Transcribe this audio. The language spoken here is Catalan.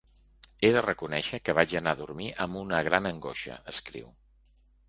He de reconèixer que vaig anar a dormir amb una gran angoixa, escriu.